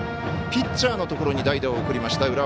ピッチャーのところに代打を送りました。